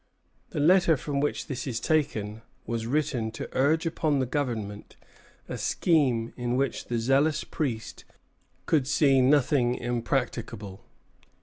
The letter from which this is taken was written to urge upon the Government a scheme in which the zealous priest could see nothing impracticable.